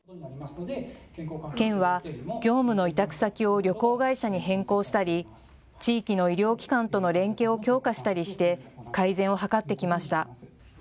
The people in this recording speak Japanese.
県は業務の委託先を旅行会社に変更したり地域の医療機関との連携を強化したりして改善を図ってきました。